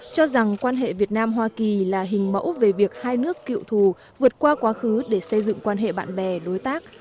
cho rằng quan hệ việt nam hoa kỳ là hình mẫu về việc hai nước cựu thù vượt qua quá khứ để xây dựng quan hệ bạn bè đối tác